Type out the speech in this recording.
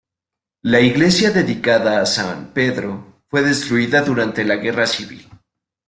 La iglesia dedicada a San Pedro fue destruida durante la Guerra Civil.